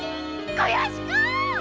くやしか‼